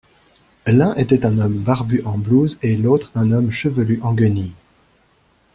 L'un était un homme barbu en blouse et l'autre un homme chevelu en guenilles.